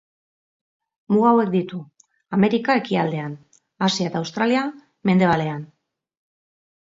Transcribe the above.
Muga hauek ditu: Amerika, ekialdean; Asia eta Australia mendebalean.